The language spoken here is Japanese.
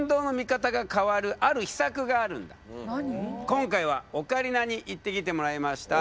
今回はオカリナに行ってきてもらいました。